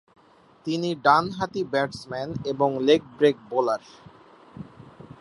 তিনি ডানহাতি ব্যাটসম্যান এবং লেগ ব্রেক বোলার।